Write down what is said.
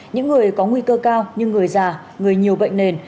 những người có nguy cơ cao như người già người nhiều bệnh nền